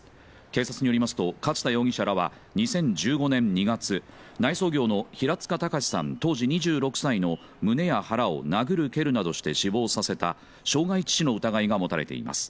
警察によりますと勝田容疑者らは２０１５年２月内装業の平塚崇さん当時２６歳の胸や腹を殴る蹴るなどして死亡させた傷害致死の疑いが持たれています